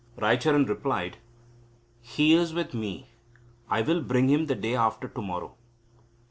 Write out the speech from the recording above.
Raicharan replied: "He is with me, I will bring him the day after to morrow."